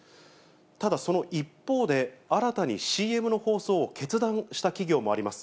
ただ、その一方で、新たにＣＭの放送を決断した企業もあります。